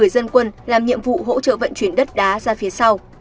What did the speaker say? một mươi dân quân làm nhiệm vụ hỗ trợ vận chuyển đất đá ra phía sau